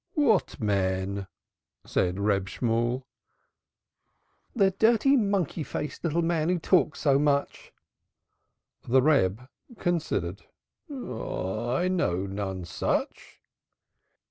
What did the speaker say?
"What man?" said Reb Shemuel. "The dirty monkey faced little man who talks so much." The Reb considered. "I know none such."